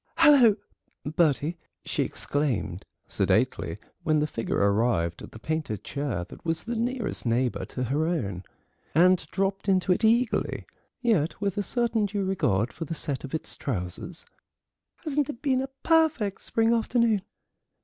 "Hullo, Bertie!" she exclaimed sedately, when the figure arrived at the painted chair that was the nearest neighbour to her own, and dropped into it eagerly, yet with a certain due regard for the set of its trousers; "hasn't it been a perfect spring afternoon?"